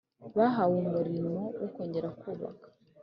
bahawe umurimo wo kongera kubaka